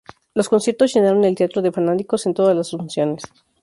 Los conciertos llenaron el teatro de fanáticos en todas las funciones.